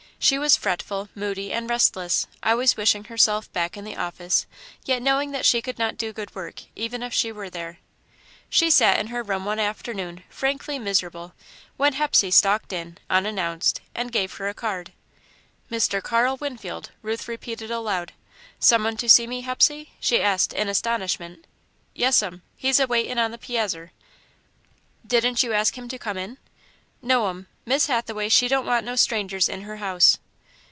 She was fretful, moody, and restless, always wishing herself back in the office, yet knowing that she could not do good work, even if she were there. She sat in her room one afternoon, frankly miserable, when Hepsey stalked in, unannounced, and gave her a card. "Mr. Carl Winfield!" Ruth repeated aloud. "Some one to see me, Hepsey?" she asked, in astonishment. "Yes'm. He's a waitin' on the piazzer." "Didn't you ask him to come in?" "No'm. Miss Hathaway, she don't want no strangers in her house."